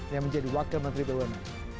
yang menjadi wakil menteri bumn